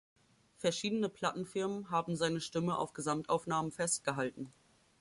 Verschiedene Plattenfirmen haben seine Stimme auf Gesamtaufnahmen festgehalten.